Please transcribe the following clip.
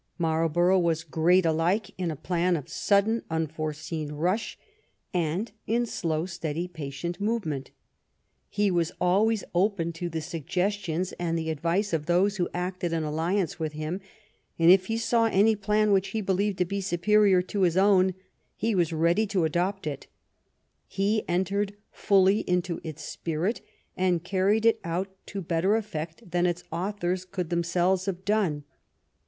Marlborough was great alike in a plan of sudden, unforeseen rush, and in slow, steady, patient movement. He was always open to the suggestions and the advice of those who acted in alliance with him, and if he saw any plan which he believed to be superior to his own, he was ready to adopt it; he entered fully into its spirit, and carried it out to better effect than its authors could themselves have done.